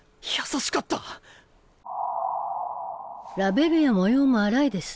ラベルや模様も荒いです